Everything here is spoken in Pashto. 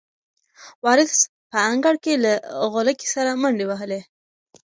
وارث په انګړ کې له غولکې سره منډې وهلې.